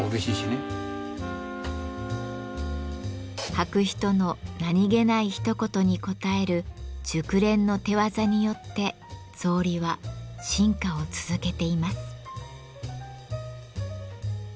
履く人の何気ないひと言に応える熟練の手技によって草履は進化を続けています。